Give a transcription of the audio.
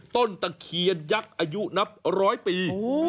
ตะเคียนยักษ์อายุนับร้อยปี